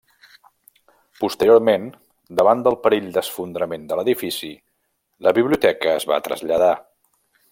Posteriorment, davant del perill d'esfondrament de l'edifici, la biblioteca es va traslladar.